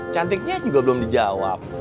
cantiknya juga belum dijawab